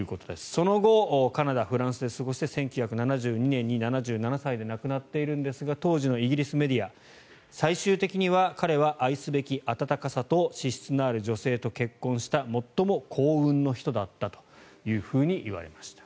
その後カナダ、フランスで過ごして１９７２年に７７歳で亡くなっているんですが当時のイギリスメディア最終的には彼は愛すべき温かさと資質のある女性と結婚した最も幸運の人だったといわれました。